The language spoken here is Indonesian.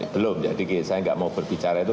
belum jadi saya nggak mau berbicara itu